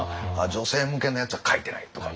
女性向けのやつは書いてないとか。